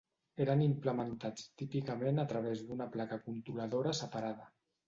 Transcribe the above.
Eren implementats típicament a través d'una placa controladora separada.